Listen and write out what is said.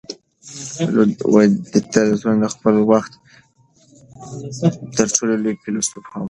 تولستوی د خپل وخت تر ټولو لوی فیلسوف هم و.